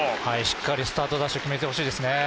しっかりスタートダッシュ決めてほしいですね。